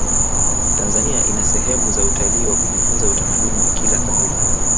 tanzania ina sehemu za utalii wa kujifunza utamaduni wa kila kabila